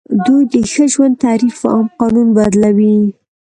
دوی د ښه ژوند تعریف په عام قانون بدلوي.